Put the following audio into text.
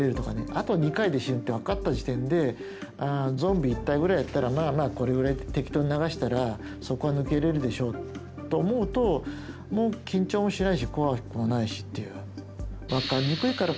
あと２回で死ぬって分かった時点で「ああゾンビ１体ぐらいだったらまあまあこれぐらい適当に流したらそこは抜けれるでしょう」と思うともう緊張もしないし怖くもないしっていう。